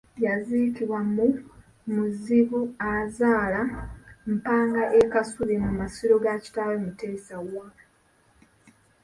Yaziikibwa mu Muzibu-azaala-Mpanga e Kasubi mu masiro ga kitaawe Mutesa I.